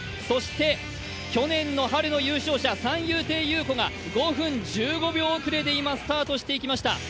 そして去年の春の優勝者、三遊亭遊子が５分１５秒遅れで今、スタートしていきました。